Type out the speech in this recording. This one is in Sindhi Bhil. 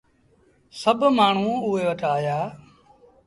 سڀ مآڻهوٚ اُئي وٽ آيآ۔